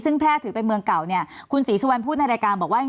ซึ่งแพร่ถือเป็นเมืองเก่าเนี่ยคุณศรีสุวรรณพูดในรายการบอกว่า